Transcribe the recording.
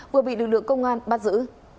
vừa bị lực lượng công an bắt giữ